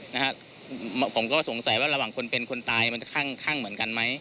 นะฮะผมก็สงสัยว่าระหว่างคนเป็นคนตายมันจะข้างข้างเหมือนกันไหม